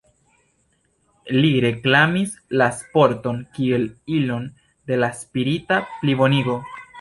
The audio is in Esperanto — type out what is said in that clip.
Li reklamis la sporton kiel ilon de la spirita plibonigo.